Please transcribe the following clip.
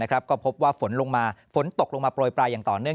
ก็พบว่าฝนลงมาฝนตกลงมาโปรยปลายอย่างต่อเนื่อง